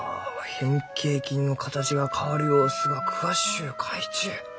変形菌の形が変わる様子が詳しゅう書いちゅう。